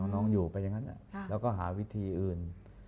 น้องอยู่ไปอย่างนั้นแล้วก็หาวิธีอื่น